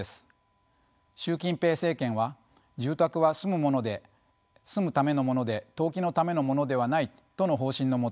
習近平政権は「住宅は住むためのもので投機のためのものではない」との方針の下